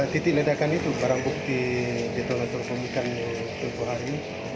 titik ledakan itu barang bukti detonator pemikan tempuh hari